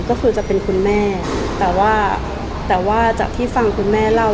ก็คือจะเป็นคุณแม่แต่ว่าแต่ว่าจากที่ฟังคุณแม่เล่า